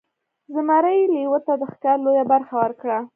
زمري لیوه ته د ښکار لویه برخه ورکړه.